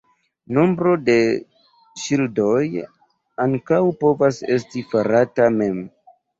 Nombro de ŝildoj ankaŭ povas esti farata mem.